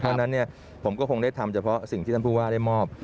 เพราะฉะนั้นผมก็คงได้ทำเฉพาะสิ่งที่ท่านผู้ว่าได้มอบ